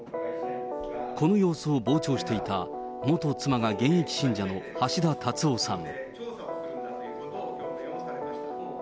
この様子を傍聴していた元妻が現役信者の橋田達夫さん。